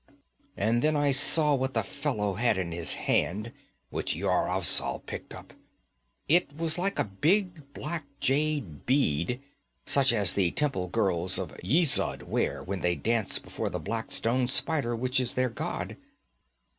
'And then I saw what the fellow had in his hand, which Yar Afzal picked up. It was like a big black jade bead, such as the temple girls of Yezud wear when they dance before the black stone spider which is their god.